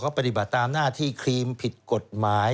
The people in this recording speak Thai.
ปฏิบัติตามหน้าที่ครีมผิดกฎหมาย